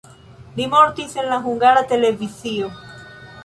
Li mortis en la Hungara Televizio.